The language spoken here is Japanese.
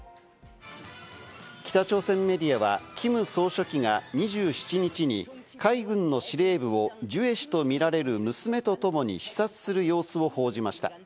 北朝鮮はキム総書記が２７日に海軍の司令部をジュエ氏とみられる娘とともに視察する様子を報じました。